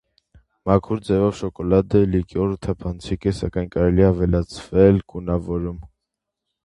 Մաքուր ձևով շոկոլադե լիկյորը թափանցիկ է, սակայն կարելի է ավելացվել գունավորում։